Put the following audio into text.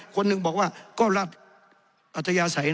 คนหนึ่งบอกว่าก็รัฐอัธยาศัย